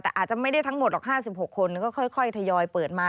แต่อาจจะไม่ได้ทั้งหมดหรอก๕๖คนก็ค่อยทยอยเปิดมา